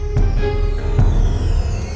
kau tidak suka ini